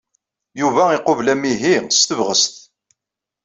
Yuba iqubel amihi s tebɣest.